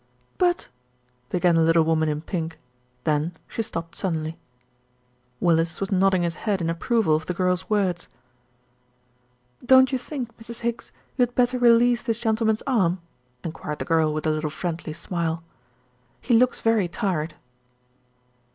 "But " began the little woman in pink, then she stopped suddenly. Willis was nodding his head in approval of the girl's words. "Don't you think, Mrs. Higgs, you had better re lease this gentleman's arm?" enquired the girl with a little friendly smile. "He looks very tired."